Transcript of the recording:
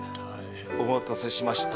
お待たせしました。